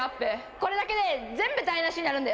これだけで全部台無しになるんだよ。